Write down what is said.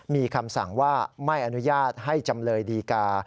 มีคำสั่งว่าไม่อนุญาตให้จำเลยดีกา